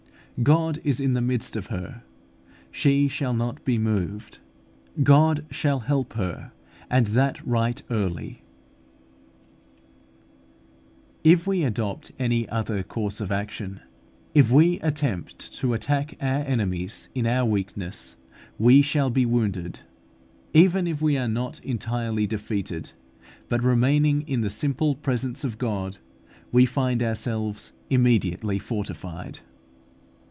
"God is in the midst of her, she shall not be moved: God shall help her, and that right early" (Ps. xlvi. 5). If we adopt any other course of action, if we attempt to attack our enemies in our weakness, we shall be wounded, even if we are not entirely defeated; but remaining in the simple presence of God, we find ourselves immediately fortified.